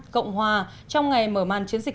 cộng hòa trong ngày mở màn chiến dịch